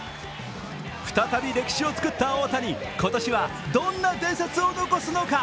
再び歴史を作った大谷、今年はどんな伝説を残すのか？